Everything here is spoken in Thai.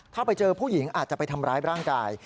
ถ้าไปเจอผู้หญิงอาจจะไปทำร้ายร่างกาย